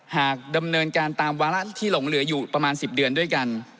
หากดำเนินการตามวาระที่หลงเหลืออยู่ประมาณ๑๐เดือนด้วยกัน